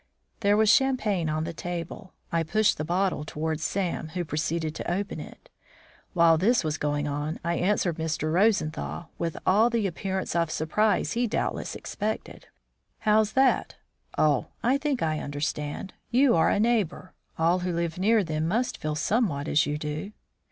There was champagne on the table; I pushed the bottle towards Sam, who proceeded to open it. While this was going on I answered Mr. Rosenthal, with all the appearance of surprise he doubtless expected: "How's that? Oh, I think I understand. You are a neighbour. All who live near them must feel somewhat as you do."